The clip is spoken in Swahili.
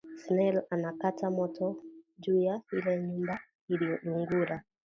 Snel anakata moto juya ile nyumba ili lungula